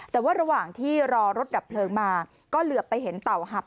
แต่ว่าระหว่างที่รอรถดับเพลิงมาก็เหลือไปเห็นเต่าหับ